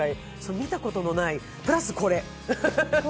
見たことのない、プラスこれ。